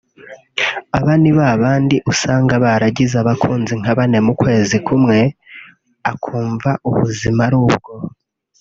Aba ni ba bandi usanga baragize abakunzi nka bane mu kwezi kumwe akumva ubuzima ni ubwo